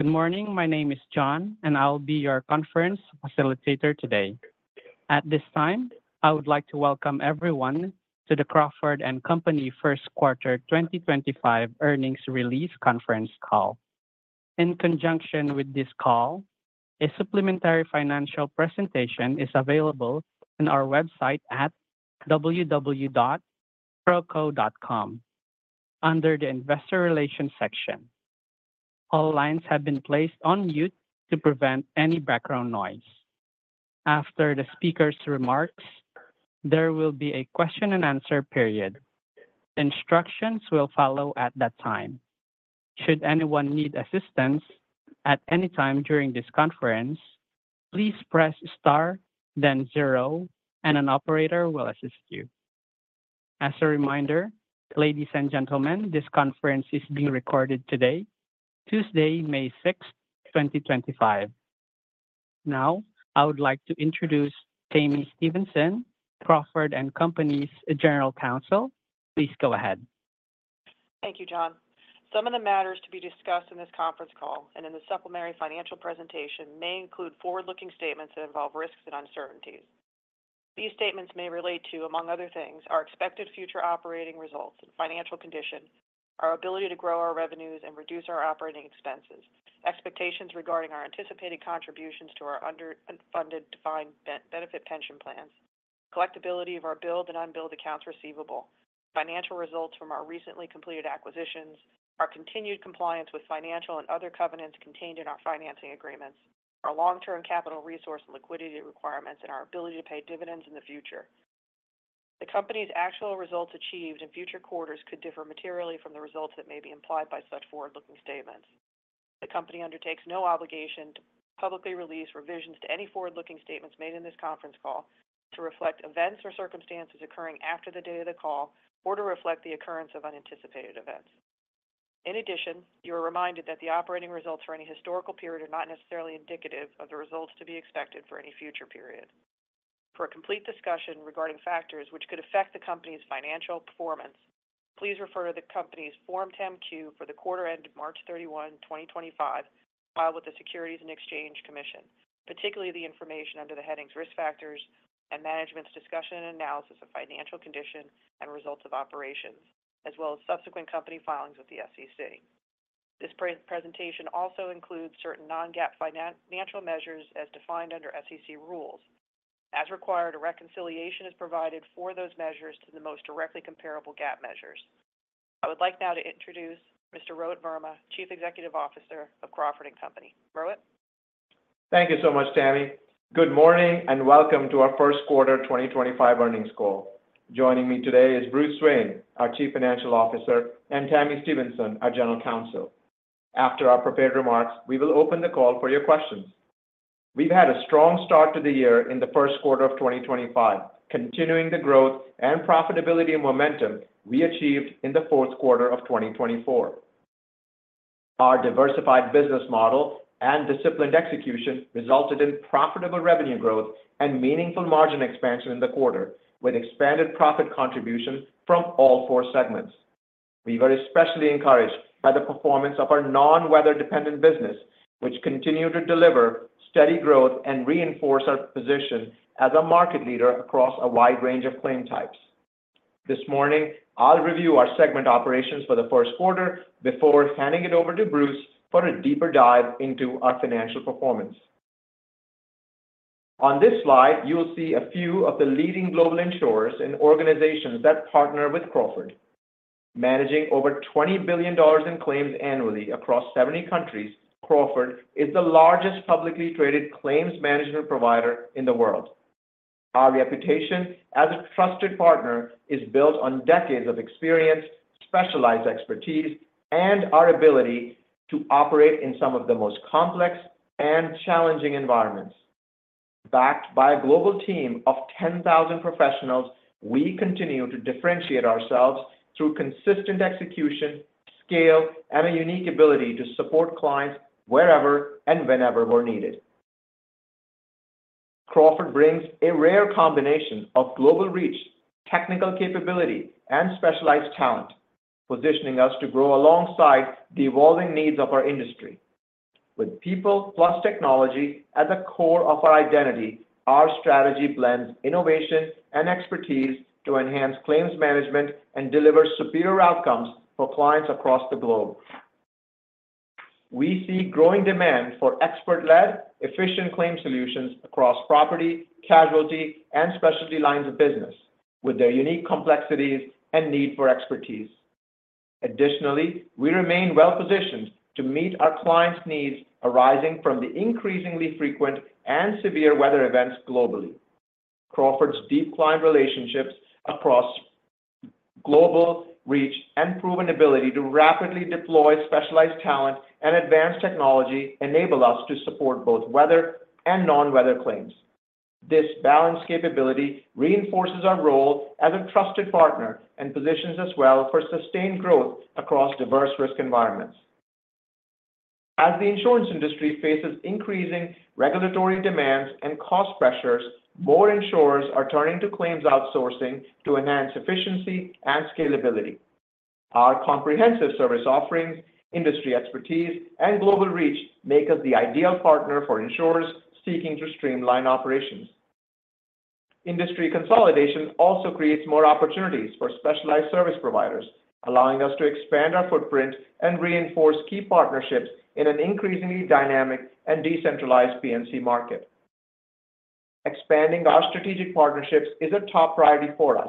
Good morning. My name is John, and I'll be your conference facilitator today. At this time, I would like to welcome everyone to the Crawford & Company First Quarter 2025 Earnings Release Conference Call. In conjunction with this call, a supplementary financial presentation is available on our website at www.crawco.com. Under the Investor Relations section, all lines have been placed on mute to prevent any background noise. After the speaker's remarks, there will be a Q&A period. Instructions will follow at that time. Should anyone need assistance at any time during this conference, please press star, then zero, and an operator will assist you. As a reminder, ladies and gentlemen, this conference is being recorded today, Tuesday, May 6, 2025. Now, I would like to introduce Tami Stevenson, Crawford & Company's General Counsel. Please go ahead. Thank you, John. Some of the matters to be discussed in this conference call and in the supplementary financial presentation may include forward-looking statements that involve risks and uncertainties. These statements may relate to, among other things, our expected future operating results and financial condition, our ability to grow our revenues and reduce our operating expenses, expectations regarding our anticipated contributions to our underfunded defined benefit pension plans, collectibility of our billed and unbilled accounts receivable, financial results from our recently completed acquisitions, our continued compliance with financial and other covenants contained in our financing agreements, our long-term capital resource and liquidity requirements, and our ability to pay dividends in the future. The company's actual results achieved in future quarters could differ materially from the results that may be implied by such forward-looking statements. The company undertakes no obligation to publicly release revisions to any forward-looking statements made in this conference call to reflect events or circumstances occurring after the date of the call or to reflect the occurrence of unanticipated events. In addition, you are reminded that the operating results for any historical period are not necessarily indicative of the results to be expected for any future period. For a complete discussion regarding factors which could affect the company's financial performance, please refer to the company's Form 10-Q for the quarter-end March 31, 2025, filed with the Securities and Exchange Commission, particularly the information under the headings Risk Factors and Management's Discussion and Analysis of Financial Condition and Results of Operations, as well as subsequent company filings with the SEC. This presentation also includes certain non-GAAP financial measures as defined under SEC rules. As required, a reconciliation is provided for those measures to the most directly comparable GAAP measures. I would like now to introduce Mr. Rohit Verma, Chief Executive Officer of Crawford & Company. Rohit? Thank you so much, Tami. Good morning and welcome to our First Quarter 2025 Earnings Call. Joining me today is Bruce Swain, our Chief Financial Officer, and Tami Stevenson, our General Counsel. After our prepared remarks, we will open the call for your questions. We've had a strong start to the year in the first quarter of 2025, continuing the growth and profitability momentum we achieved in the fourth quarter of 2024. Our diversified business model and disciplined execution resulted in profitable revenue growth and meaningful margin expansion in the quarter, with expanded profit contributions from all four segments. We were especially encouraged by the performance of our non-weather-dependent business, which continued to deliver steady growth and reinforce our position as a market leader across a wide range of claim types. This morning, I'll review our segment operations for the first quarter before handing it over to Bruce for a deeper dive into our financial performance. On this slide, you'll see a few of the leading global insurers and organizations that partner with Crawford. Managing over $20 billion in claims annually across 70 countries, Crawford is the largest publicly traded claims management provider in the world. Our reputation as a trusted partner is built on decades of experience, specialized expertise, and our ability to operate in some of the most complex and challenging environments. Backed by a global team of 10,000 professionals, we continue to differentiate ourselves through consistent execution, scale, and a unique ability to support clients wherever and whenever we're needed. Crawford brings a rare combination of global reach, technical capability, and specialized talent, positioning us to grow alongside the evolving needs of our industry. With people plus technology at the core of our identity, our strategy blends innovation and expertise to enhance claims management and deliver superior outcomes for clients across the globe. We see growing demand for expert-led, efficient claim solutions across property, casualty, and specialty lines of business, with their unique complexities and need for expertise. Additionally, we remain well-positioned to meet our clients' needs arising from the increasingly frequent and severe weather events globally. Crawford's deep client relationships across global reach and proven ability to rapidly deploy specialized talent and advanced technology enable us to support both weather and non-weather claims. This balanced capability reinforces our role as a trusted partner and positions us well for sustained growth across diverse risk environments. As the insurance industry faces increasing regulatory demands and cost pressures, more insurers are turning to claims outsourcing to enhance efficiency and scalability. Our comprehensive service offerings, industry expertise, and global reach make us the ideal partner for insurers seeking to streamline operations. Industry consolidation also creates more opportunities for specialized service providers, allowing us to expand our footprint and reinforce key partnerships in an increasingly dynamic and decentralized P&C market. Expanding our strategic partnerships is a top priority for us.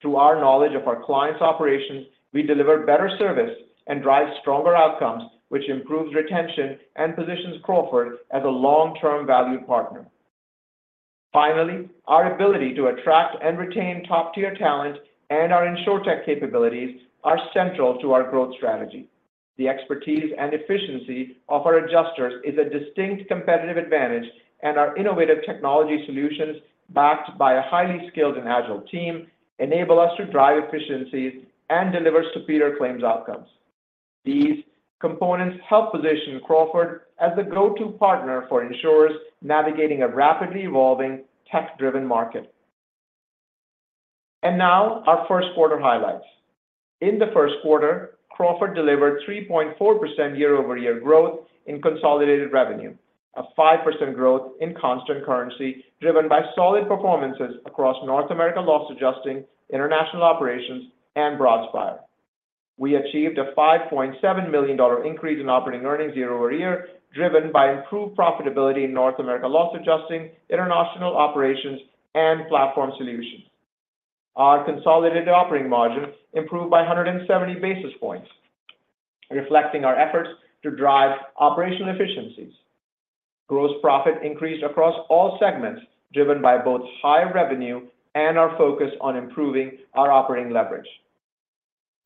Through our knowledge of our clients' operations, we deliver better service and drive stronger outcomes, which improves retention and positions Crawford as a long-term valued partner. Finally, our ability to attract and retain top-tier talent and our insurtech capabilities are central to our growth strategy. The expertise and efficiency of our adjusters is a distinct competitive advantage, and our innovative technology solutions, backed by a highly skilled and agile team, enable us to drive efficiencies and deliver superior claims outcomes. These components help position Crawford as the go-to partner for insurers navigating a rapidly evolving tech-driven market. Our first quarter highlights. In the first quarter, Crawford delivered 3.4% year-over-year growth in consolidated revenue, a 5% growth in constant currency driven by solid performances across North America loss adjusting, international operations, and Broadspire. We achieved a $5.7 million increase in operating earnings year-over-year, driven by improved profitability in North America loss adjusting, international operations, and Platform Solutions. Our consolidated operating margin improved by 170 basis points, reflecting our efforts to drive operational efficiencies. Gross profit increased across all segments, driven by both high revenue and our focus on improving our operating leverage.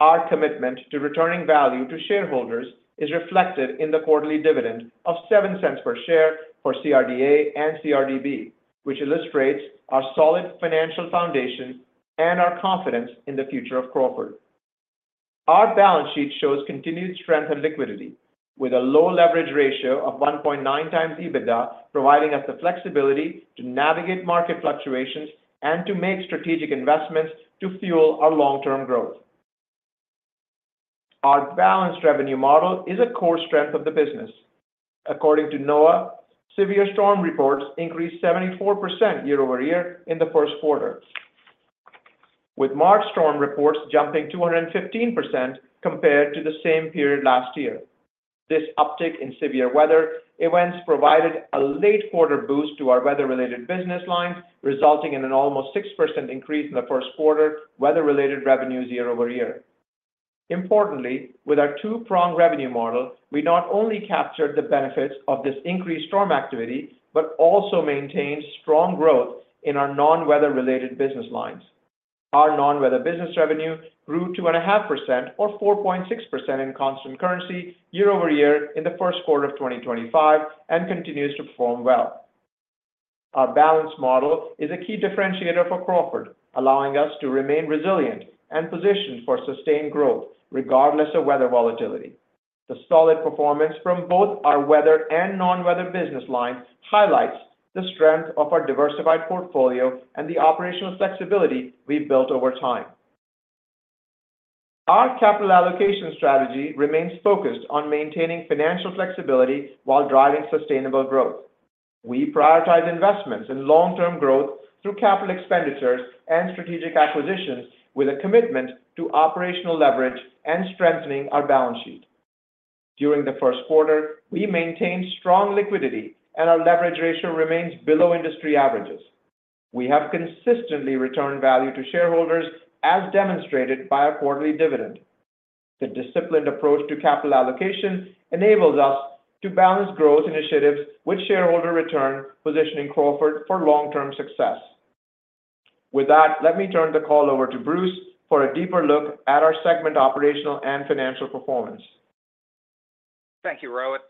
Our commitment to returning value to shareholders is reflected in the quarterly dividend of $0.07 per share for CRDA and CRDB, which illustrates our solid financial foundation and our confidence in the future of Crawford. Our balance sheet shows continued strength and liquidity, with a low leverage ratio of 1.9x times EBITDA, providing us the flexibility to navigate market fluctuations and to make strategic investments to fuel our long-term growth. Our balanced revenue model is a core strength of the business. According to NOAA, severe storm reports increased 74% year-over-year in the first quarter, with March storm reports jumping 215% compared to the same period last year. This uptick in severe weather events provided a late quarter boost to our weather-related business lines, resulting in an almost 6% increase in the first quarter weather-related revenues year-over-year. Importantly, with our two-prong revenue model, we not only captured the benefits of this increased storm activity but also maintained strong growth in our non-weather-related business lines. Our non-weather business revenue grew 2.5% or 4.6% in constant currency year-over-year in the first quarter of 2025 and continues to perform well. Our balanced model is a key differentiator for Crawford, allowing us to remain resilient and positioned for sustained growth regardless of weather volatility. The solid performance from both our weather and non-weather business lines highlights the strength of our diversified portfolio and the operational flexibility we've built over time. Our capital allocation strategy remains focused on maintaining financial flexibility while driving sustainable growth. We prioritize investments in long-term growth through capital expenditures and strategic acquisitions, with a commitment to operational leverage and strengthening our balance sheet. During the first quarter, we maintained strong liquidity, and our leverage ratio remains below industry averages. We have consistently returned value to shareholders, as demonstrated by our quarterly dividend. The disciplined approach to capital allocation enables us to balance growth initiatives with shareholder return, positioning Crawford for long-term success. With that, let me turn the call over to Bruce for a deeper look at our segment operational and financial performance. Thank you, Rohit.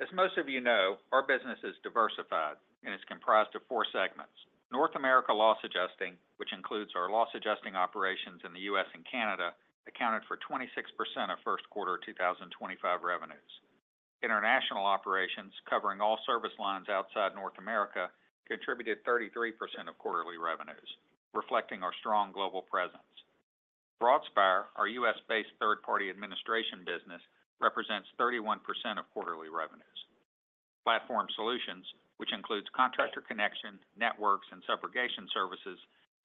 As most of you know, our business is diversified and is comprised of four segments. North America loss adjusting, which includes our loss adjusting operations in the U.S. and Canada, accounted for 26% of first quarter 2025 revenues. International operations covering all service lines outside North America contributed 33% of quarterly revenues, reflecting our strong global presence. Broadspire, our U.S.-based third-party administration business, represents 31% of quarterly revenues. Platform solutions, which include contractor connection, networks, and subrogation services,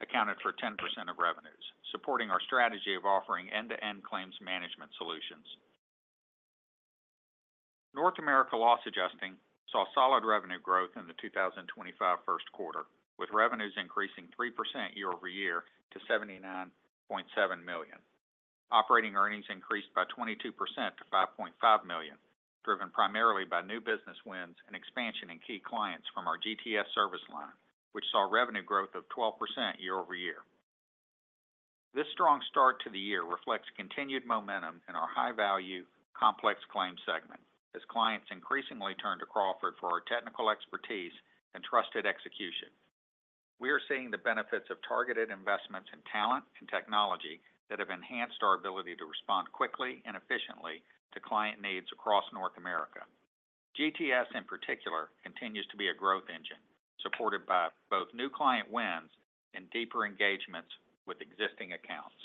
accounted for 10% of revenues, supporting our strategy of offering end-to-end claims management solutions. North America loss adjusting saw solid revenue growth in the 2025 first quarter, with revenues increasing 3% year-over-year to $79.7 million. Operating earnings increased by 22% to $5.5 million, driven primarily by new business wins and expansion in key clients from our GTS service line, which saw revenue growth of 12% year-over-year. This strong start to the year reflects continued momentum in our high-value, complex claim segment, as clients increasingly turn to Crawford for our technical expertise and trusted execution. We are seeing the benefits of targeted investments in talent and technology that have enhanced our ability to respond quickly and efficiently to client needs across North America. GTS, in particular, continues to be a growth engine, supported by both new client wins and deeper engagements with existing accounts.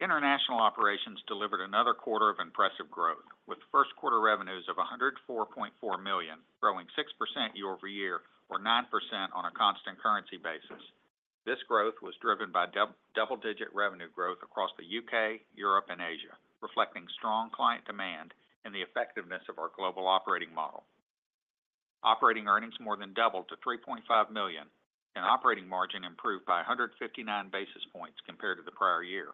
International operations delivered another quarter of impressive growth, with first quarter revenues of $104.4 million, growing 6% year-over-year or 9% on a constant currency basis. This growth was driven by double-digit revenue growth across the U.K., Europe, and Asia, reflecting strong client demand and the effectiveness of our global operating model. Operating earnings more than doubled to $3.5 million, and operating margin improved by 159 basis points compared to the prior year.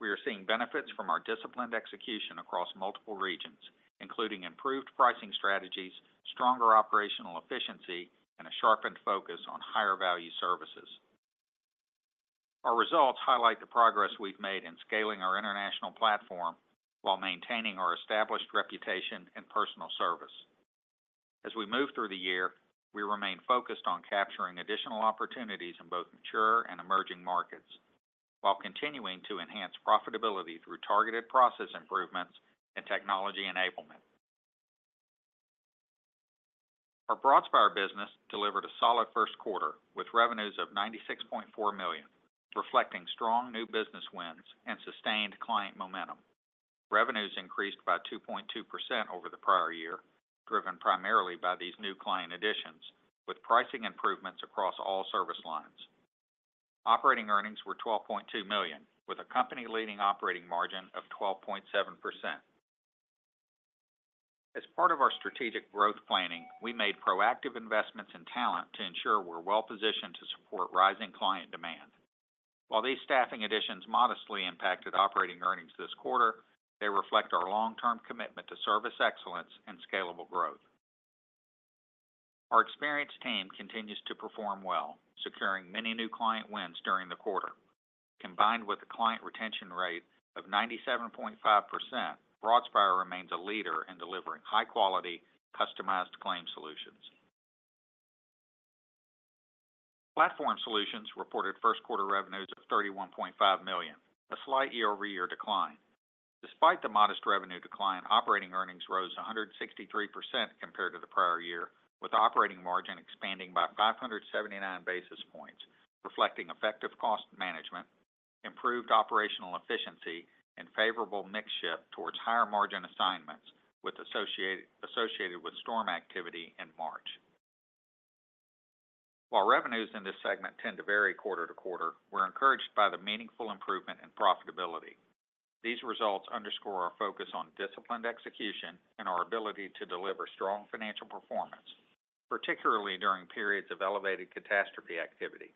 We are seeing benefits from our disciplined execution across multiple regions, including improved pricing strategies, stronger operational efficiency, and a sharpened focus on higher-value services. Our results highlight the progress we've made in scaling our international platform while maintaining our established reputation and personal service. As we move through the year, we remain focused on capturing additional opportunities in both mature and emerging markets while continuing to enhance profitability through targeted process improvements and technology enablement. Our Broadspire business delivered a solid first quarter with revenues of $96.4 million, reflecting strong new business wins and sustained client momentum. Revenues increased by 2.2% over the prior year, driven primarily by these new client additions, with pricing improvements across all service lines. Operating earnings were $12.2 million, with a company-leading operating margin of 12.7%. As part of our strategic growth planning, we made proactive investments in talent to ensure we're well-positioned to support rising client demand. While these staffing additions modestly impacted operating earnings this quarter, they reflect our long-term commitment to service excellence and scalable growth. Our experienced team continues to perform well, securing many new client wins during the quarter. Combined with a client retention rate of 97.5%, Broadspire remains a leader in delivering high-quality, customized claim solutions. Platform Solutions reported first quarter revenues of $31.5 million, a slight year-over-year decline. Despite the modest revenue decline, operating earnings rose 163% compared to the prior year, with operating margin expanding by 579 basis points, reflecting effective cost management, improved operational efficiency, and favorable mix shift towards higher margin assignments associated with storm activity in March. While revenues in this segment tend to vary quarter to quarter, we're encouraged by the meaningful improvement in profitability. These results underscore our focus on disciplined execution and our ability to deliver strong financial performance, particularly during periods of elevated catastrophe activity.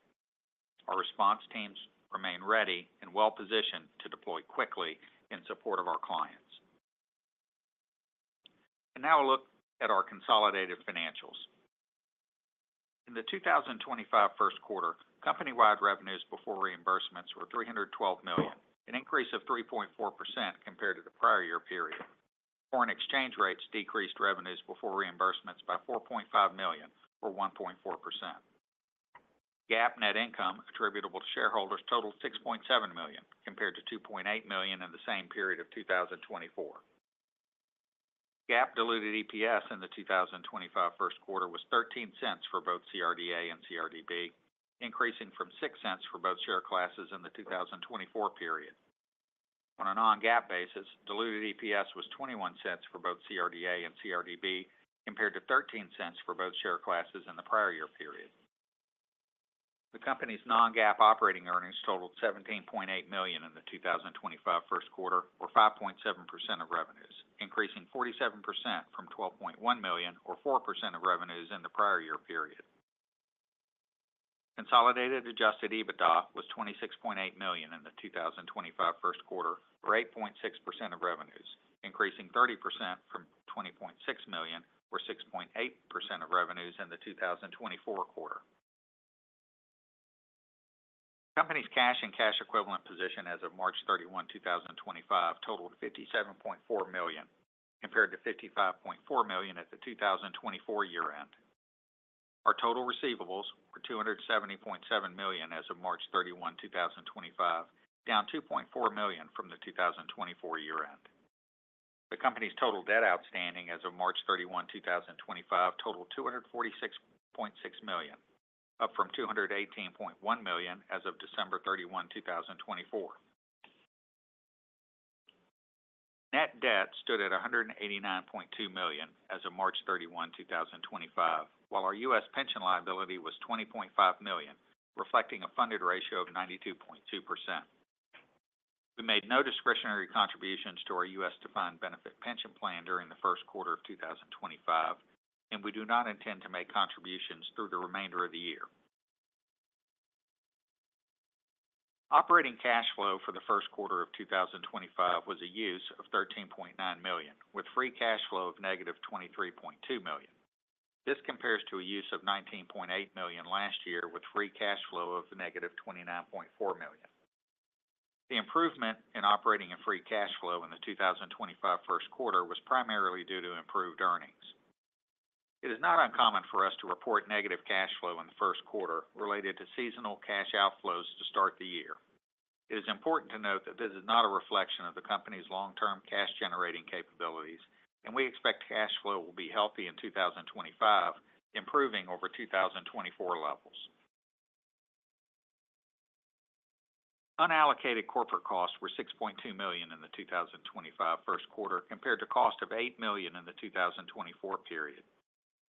Our response teams remain ready and well-positioned to deploy quickly in support of our clients. Now a look at our consolidated financials. In the 2025 first quarter, company-wide revenues before reimbursements were $312 million, an increase of 3.4% compared to the prior year period. Foreign exchange rates decreased revenues before reimbursements by $4.5 million, or 1.4%. GAAP net income attributable to shareholders totaled $6.7 million, compared to $2.8 million in the same period of 2024. GAAP diluted EPS in the 2025 first quarter was $0.13 for both CRDA and CRDB, increasing from $0.06 for both share classes in the 2024 period. On a non-GAAP basis, diluted EPS was $0.21 for both CRDA and CRDB, compared to $0.13 for both share classes in the prior year period. The company's non-GAAP operating earnings totaled $17.8 million in the 2025 first quarter, or 5.7% of revenues, increasing 47% from $12.1 million, or 4% of revenues in the prior year period. Consolidated adjusted EBITDA was $26.8 million in the 2025 first quarter, or 8.6% of revenues, increasing 30% from $20.6 million, or 6.8% of revenues in the 2024 quarter. Company's cash and cash equivalent position as of March 31, 2025, totaled $57.4 million, compared to $55.4 million at the 2024 year-end. Our total receivables were $270.7 million as of March 31, 2025, down $2.4 million from the 2024 year-end. The company's total debt outstanding as of March 31, 2025, totaled $246.6 million, up from $218.1 million as of December 31, 2024. Net debt stood at $189.2 million as of March 31, 2025, while our U.S. pension liability was $20.5 million, reflecting a funded ratio of 92.2%. We made no discretionary contributions to our U.S. defined benefit pension plan during the first quarter of 2025, and we do not intend to make contributions through the remainder of the year. Operating cash flow for the first quarter of 2025 was a use of $13.9 million, with free cash flow of -$23.2 million. This compares to a use of $19.8 million last year with free cash flow of -$29.4 million. The improvement in operating and free cash flow in the 2025 first quarter was primarily due to improved earnings. It is not uncommon for us to report negative cash flow in the first quarter related to seasonal cash outflows to start the year. It is important to note that this is not a reflection of the company's long-term cash-generating capabilities, and we expect cash flow will be healthy in 2025, improving over 2024 levels. Unallocated corporate costs were $6.2 million in the 2025 first quarter, compared to a cost of $8 million in the 2024 period.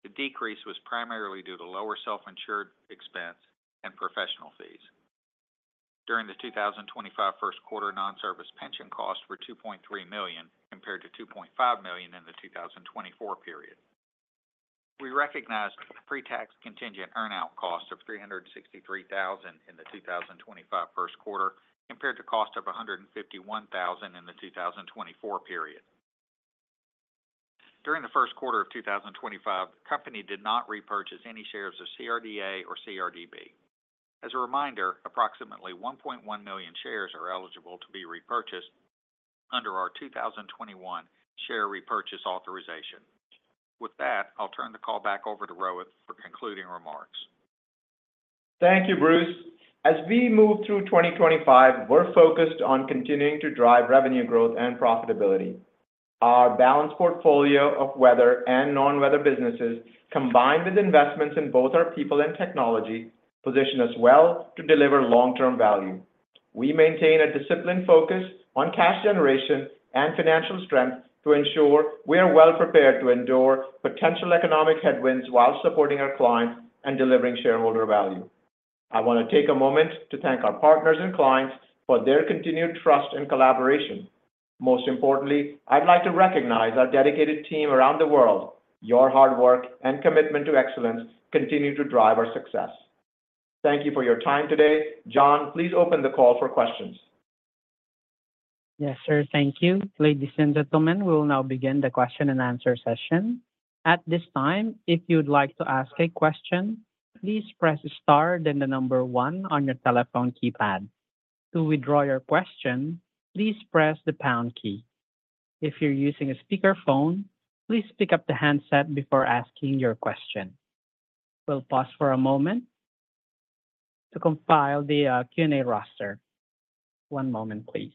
The decrease was primarily due to lower self-insured expense and professional fees. During the 2025 first quarter, non-service pension costs were $2.3 million compared to $2.5 million in the 2024 period. We recognized a pre-tax contingent earn-out cost of $363,000 in the 2025 first quarter, compared to a cost of $151,000 in the 2024 period. During the first quarter of 2025, the company did not repurchase any shares of CRDA or CRDB. As a reminder, approximately 1.1 million shares are eligible to be repurchased under our 2021 share repurchase authorization. With that, I'll turn the call back over to Rohit for concluding remarks. Thank you, Bruce. As we move through 2025, we're focused on continuing to drive revenue growth and profitability. Our balanced portfolio of weather and non-weather businesses, combined with investments in both our people and technology, position us well to deliver long-term value. We maintain a disciplined focus on cash generation and financial strength to ensure we are well-prepared to endure potential economic headwinds while supporting our clients and delivering shareholder value. I want to take a moment to thank our partners and clients for their continued trust and collaboration. Most importantly, I'd like to recognize our dedicated team around the world. Your hard work and commitment to excellence continue to drive our success. Thank you for your time today. John, please open the call for questions. Yes, sir. Thank you. Ladies and gentlemen, we will now begin the question and answer session. At this time, if you'd like to ask a question, please press star then the number one on your telephone keypad. To withdraw your question, please press the pound key. If you're using a speakerphone, please pick up the handset before asking your question. We'll pause for a moment to compile the Q&A roster. One moment, please.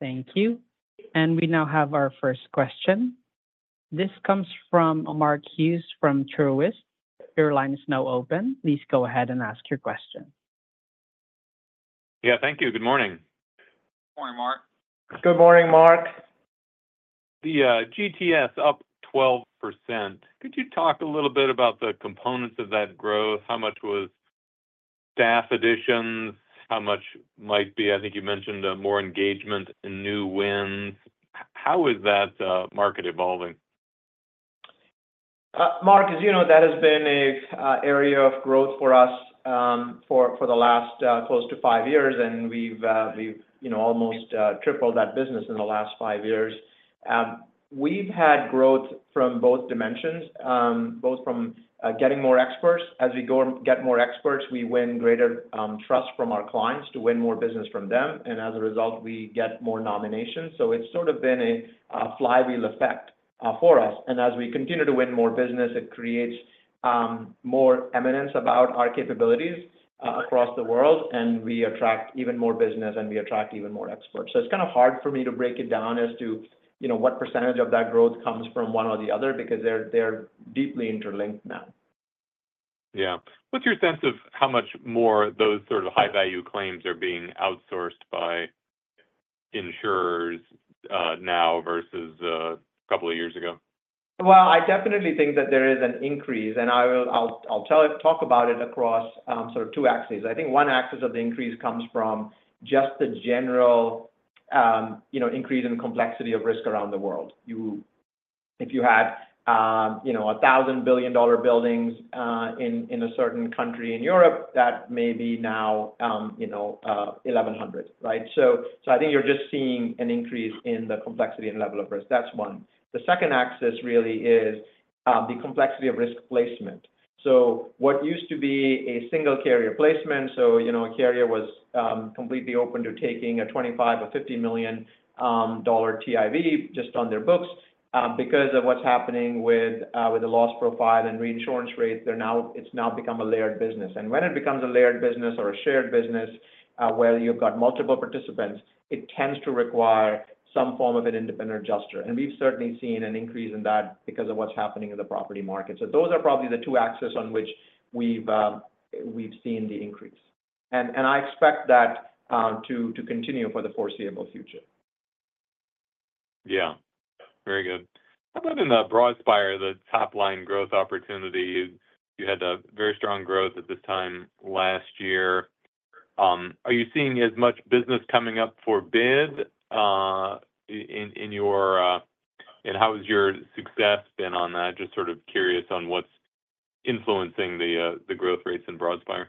Thank you. We now have our first question. This comes from Mark Hughes from Truist. Your line is now open. Please go ahead and ask your question. Yeah, thank you. Good morning. Good morning, Mark. Good morning, Mark. The GTS up 12%. Could you talk a little bit about the components of that growth? How much was staff additions? How much might be—I think you mentioned more engagement and new wins? How is that market evolving? Mark, as you know, that has been an area of growth for us for the last close to five years, and we've almost tripled that business in the last five years. We've had growth from both dimensions, both from getting more experts. As we get more experts, we win greater trust from our clients to win more business from them. As a result, we get more nominations. It is sort of been a flywheel effect for us. As we continue to win more business, it creates more eminence about our capabilities across the world, and we attract even more business, and we attract even more experts. It is kind of hard for me to break it down as to what percentage of that growth comes from one or the other because they're deeply interlinked now. Yeah. What's your sense of how much more those sort of high-value claims are being outsourced by insurers now versus a couple of years ago? I definitely think that there is an increase, and I'll talk about it across sort of two axes. I think one axis of the increase comes from just the general increase in complexity of risk around the world. If you had $1 billion buildings in a certain country in Europe, that may be now $1.1 billion, right? I think you're just seeing an increase in the complexity and level of risk. That's one. The second axis really is the complexity of risk placement. What used to be a single carrier placement, so a carrier was completely open to taking a $25 million or $50 million TIV just on their books. Because of what's happening with the loss profile and reinsurance rates, it's now become a layered business. When it becomes a layered business or a shared business where you've got multiple participants, it tends to require some form of an independent adjuster. We've certainly seen an increase in that because of what's happening in the property market. Those are probably the two axes on which we've seen the increase. I expect that to continue for the foreseeable future. Yeah. Very good. How about in the Broadspire, the top-line growth opportunity? You had a very strong growth at this time last year. Are you seeing as much business coming up for bid in your—and how has your success been on that? Just sort of curious on what's influencing the growth rates in Broadspire.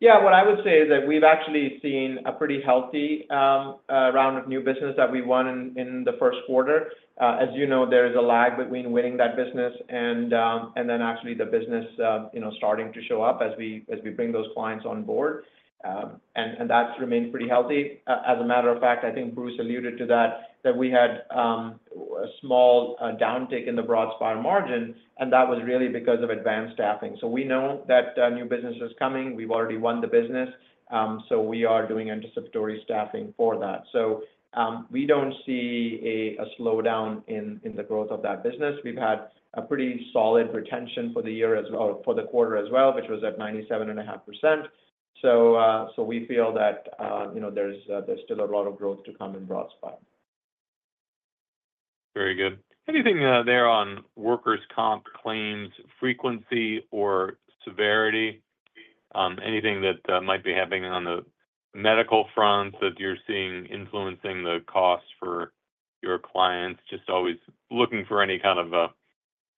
Yeah. What I would say is that we've actually seen a pretty healthy round of new business that we won in the first quarter. As you know, there is a lag between winning that business and then actually the business starting to show up as we bring those clients on board. That has remained pretty healthy. As a matter of fact, I think Bruce alluded to that, that we had a small downtick in the Broadspire margin, and that was really because of advanced staffing. We know that new business is coming. We've already won the business, so we are doing anticipatory staffing for that. We do not see a slowdown in the growth of that business. We've had a pretty solid retention for the year as well or for the quarter as well, which was at 97.5%. We feel that there's still a lot of growth to come in Broadspire. Very good. Anything there on workers' comp claims frequency or severity? Anything that might be happening on the medical front that you're seeing influencing the cost for your clients? Just always looking for any kind of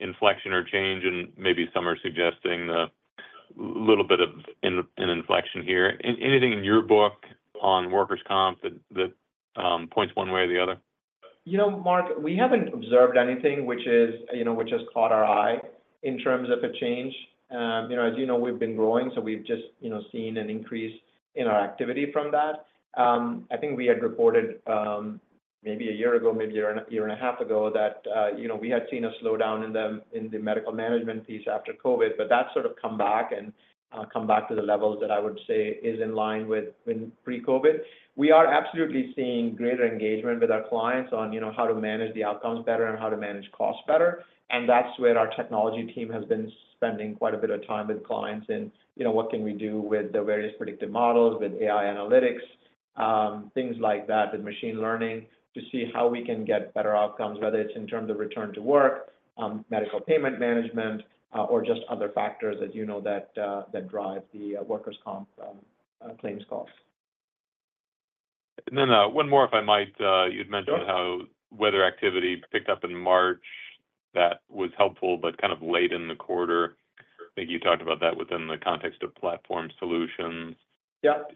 inflection or change, and maybe some are suggesting a little bit of an inflection here. Anything in your book on workers' comp that points one way or the other? You know, Mark, we haven't observed anything which has caught our eye in terms of a change. As you know, we've been growing, so we've just seen an increase in our activity from that. I think we had reported maybe a year ago, maybe a year and a half ago, that we had seen a slowdown in the medical management piece after COVID, but that's sort of come back and come back to the levels that I would say is in line with pre-COVID. We are absolutely seeing greater engagement with our clients on how to manage the outcomes better and how to manage costs better. Our technology team has been spending quite a bit of time with clients in what can we do with the various predictive models, with AI analytics, things like that, with machine learning to see how we can get better outcomes, whether it's in terms of return to work, medical payment management, or just other factors as you know that drive the workers' comp claims costs. One more, if I might. You'd mentioned how weather activity picked up in March that was helpful, but kind of late in the quarter. I think you talked about that within the context of platform solutions. Yep.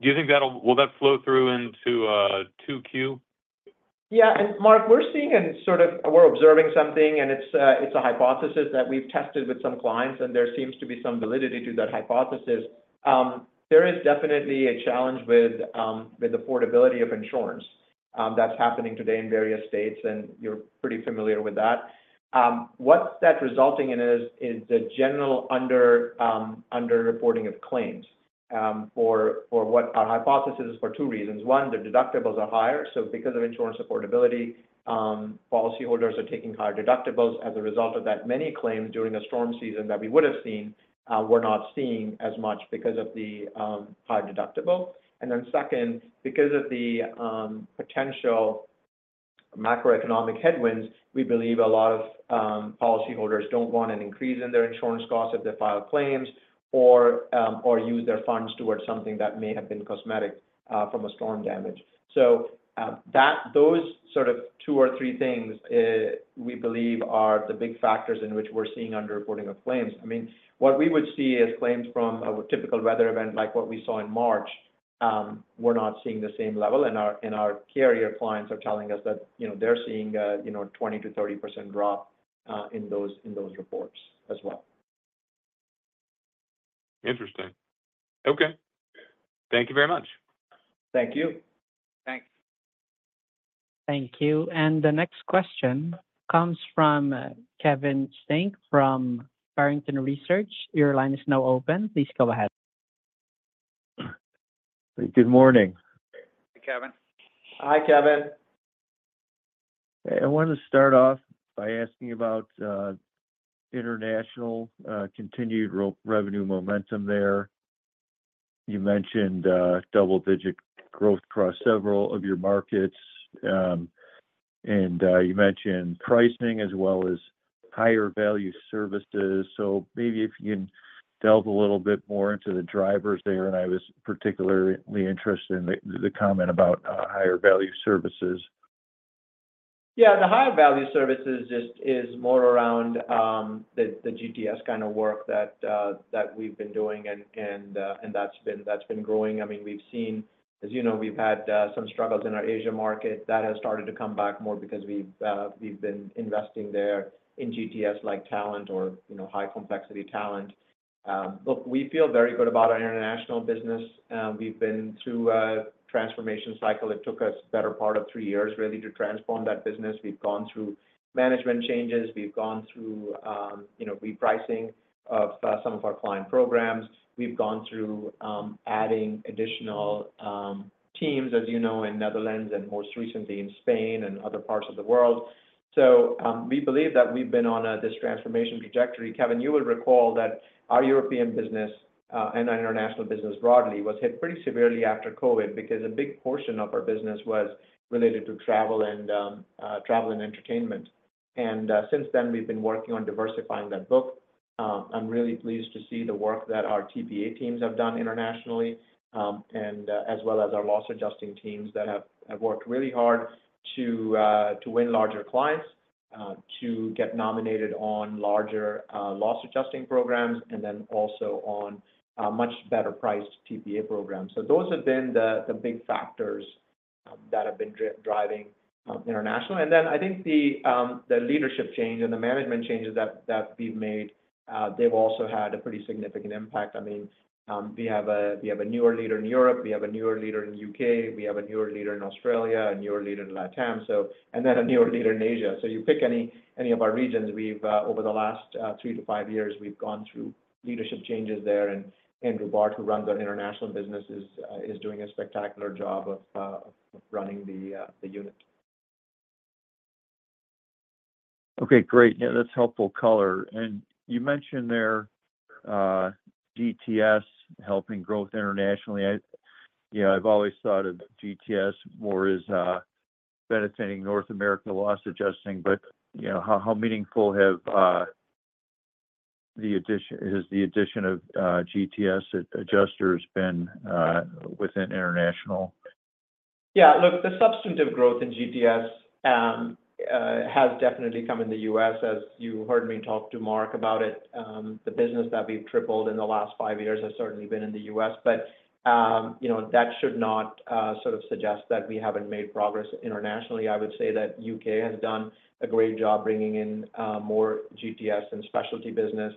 Do you think that'll—will that flow through into 2Q? Yeah. Mark, we're seeing a sort of—we're observing something, and it's a hypothesis that we've tested with some clients, and there seems to be some validity to that hypothesis. There is definitely a challenge with the affordability of insurance that's happening today in various states, and you're pretty familiar with that. What that's resulting in is the general underreporting of claims for what our hypothesis is for two reasons. One, the deductibles are higher. Because of insurance affordability, policyholders are taking higher deductibles as a result of that. Many claims during a storm season that we would have seen were not seen as much because of the high deductible. Then second, because of the potential macroeconomic headwinds, we believe a lot of policyholders do not want an increase in their insurance costs if they file claims or use their funds towards something that may have been cosmetic from a storm damage. Those sort of two or three things we believe are the big factors in which we are seeing underreporting of claims. I mean, what we would see is claims from a typical weather event like what we saw in March, we are not seeing the same level. Our carrier clients are telling us that they are seeing a 20%-30% drop in those reports as well. Interesting. Okay. Thank you very much. Thank you. Thanks. Thank you. The next question comes from Kevin Steinke from Barrington Research. Your line is now open. Please go ahead. Good morning. Hi, Kevin. Hi, Kevin. Okay. I wanted to start off by asking about international continued revenue momentum there. You mentioned double-digit growth across several of your markets, and you mentioned pricing as well as higher-value services. Maybe if you can delve a little bit more into the drivers there, and I was particularly interested in the comment about higher-value services. Yeah. The higher-value services is more around the GTS kind of work that we've been doing, and that's been growing. I mean, we've seen, as you know, we've had some struggles in our Asia market. That has started to come back more because we've been investing there in GTS-like talent or high-complexity talent. Look, we feel very good about our international business. We've been through a transformation cycle. It took us the better part of three years, really, to transform that business. We've gone through management changes. We've gone through repricing of some of our client programs. We've gone through adding additional teams, as you know, in the Netherlands and most recently in Spain and other parts of the world. We believe that we've been on this transformation trajectory. Kevin, you will recall that our European business and our international business broadly was hit pretty severely after COVID because a big portion of our business was related to travel and entertainment. Since then, we've been working on diversifying that book. I'm really pleased to see the work that our TPA teams have done internationally as well as our loss-adjusting teams that have worked really hard to win larger clients, to get nominated on larger loss-adjusting programs, and then also on much better-priced TPA programs. Those have been the big factors that have been driving international. I think the leadership change and the management changes that we've made, they've also had a pretty significant impact. I mean, we have a newer leader in Europe. We have a newer leader in the U.K. We have a newer leader in Australia, a newer leader in Latam, and then a newer leader in Asia. You pick any of our regions. Over the last three to five years, we have gone through leadership changes there, and Andrew Bart, who runs our international business, is doing a spectacular job of running the unit. Okay. Great. Yeah. That's helpful color. You mentioned there GTS helping growth internationally. I've always thought of GTS more as benefiting North America loss adjusting, but how meaningful has the addition of GTS adjusters been within international? Yeah. Look, the substantive growth in GTS has definitely come in the U.S. As you heard me talk to Mark about it, the business that we've tripled in the last five years has certainly been in the U.S. That should not sort of suggest that we haven't made progress internationally. I would say that the U.K. has done a great job bringing in more GTS and specialty business.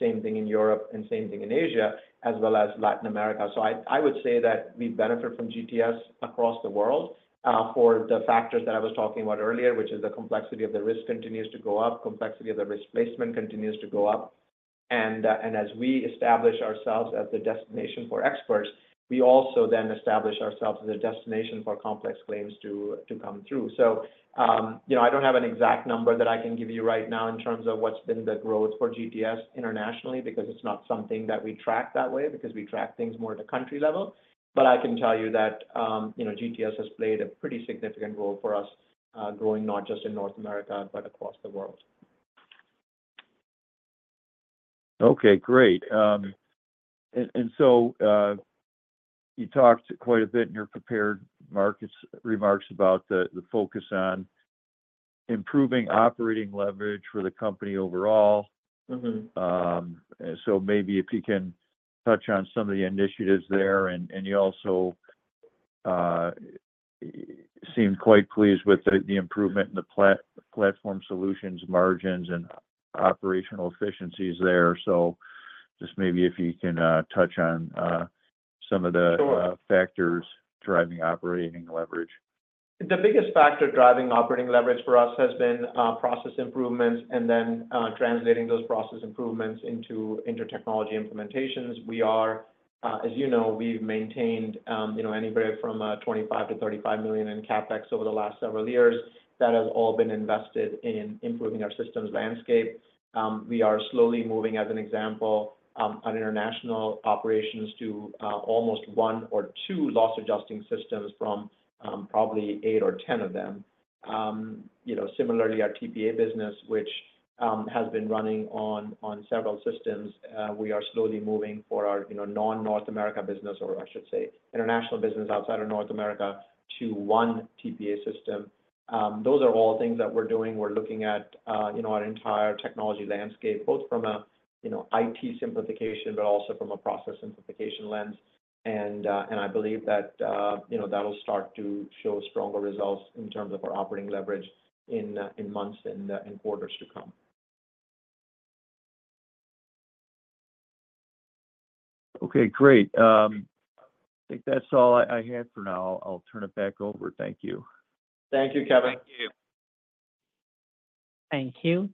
Same thing in Europe and same thing in Asia as well as Latin America. I would say that we benefit from GTS across the world for the factors that I was talking about earlier, which is the complexity of the risk continues to go up, complexity of the risk placement continues to go up. As we establish ourselves as the destination for experts, we also then establish ourselves as a destination for complex claims to come through. I don't have an exact number that I can give you right now in terms of what's been the growth for GTS internationally because it's not something that we track that way because we track things more at a country level. I can tell you that GTS has played a pretty significant role for us growing not just in North America but across the world. Okay. Great. You talked quite a bit in your prepared remarks about the focus on improving operating leverage for the company overall. Maybe if you can touch on some of the initiatives there. You also seemed quite pleased with the improvement in the platform solutions, margins, and operational efficiencies there. Just maybe if you can touch on some of the factors driving operating leverage. The biggest factor driving operating leverage for us has been process improvements and then translating those process improvements into technology implementations. As you know, we've maintained anywhere from $25 million-$35 million in CapEx over the last several years. That has all been invested in improving our systems landscape. We are slowly moving, as an example, on international operations to almost one or two loss adjusting systems from probably 8 or 10 of them. Similarly, our TPA business, which has been running on several systems, we are slowly moving for our non-North America business, or I should say international business outside of North America, to one TPA system. Those are all things that we're doing. We're looking at our entire technology landscape, both from an IT simplification but also from a process simplification lens. I believe that that'll start to show stronger results in terms of our operating leverage in months and quarters to come. Okay. Great. I think that's all I had for now. I'll turn it back over. Thank you. Thank you, Kevin. Thank you.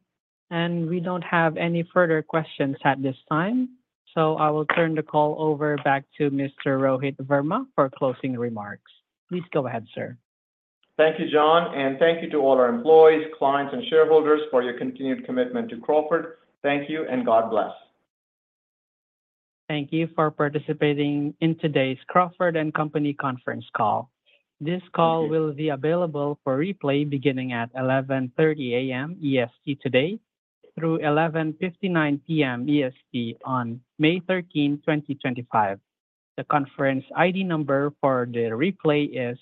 Thank you. We do not have any further questions at this time. I will turn the call back over to Mr. Rohit Verma for closing remarks. Please go ahead, sir. Thank you, John. Thank you to all our employees, clients, and shareholders for your continued commitment to Crawford. Thank you, and God bless. Thank you for participating in today's Crawford & Company conference call. This call will be available for replay beginning at 11:30 A.M. EST today through 11:59 P.M. EST on May 13, 2025. The conference ID number for the replay is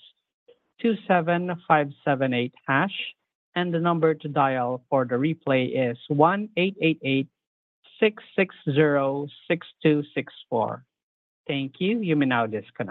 27578#, and the number to dial for the replay is 1-888-660-6264. Thank you. You may now disconnect.